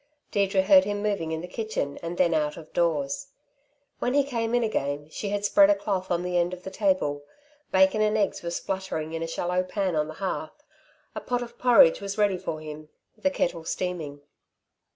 Deirdre heard him moving in the kitchen and then out of doors. When he came in again, she had spread a cloth on the end of the table. Bacon and eggs were spluttering in a shallow pan on the hearth, a pot of porridge was ready for him, the kettle steaming.